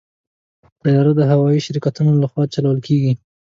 طیاره د هوايي شرکتونو لخوا چلول کېږي.